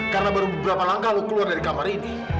karena baru beberapa langkah lo keluar dari kamar ini